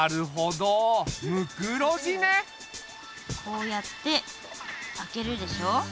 こうやって開けるでしょ。